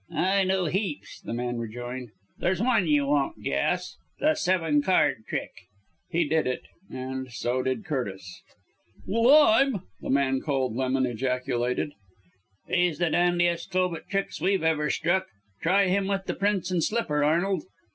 "I know heaps," the man rejoined. "There's one you won't guess the seven card trick." He did it. And so did Curtis. "Well I'm " the man called Lemon ejaculated. "He's the dandiest cove at tricks we've ever struck. Try him with the Prince and Slipper, Arnold!"